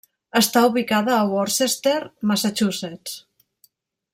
Està ubicada a Worcester, Massachusetts.